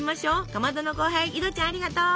かまどの後輩井戸ちゃんありがとう。